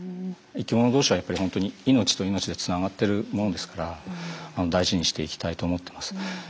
生きもの同士はやっぱり本当に命と命でつながってるものですから大事にしていきたいと思っています。